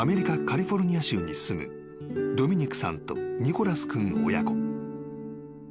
カリフォルニア州に住むドミニクさんとニコラス君親子］